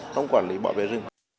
trong quản lý bảo vệ rừng